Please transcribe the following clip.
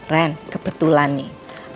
ren kebetulan nih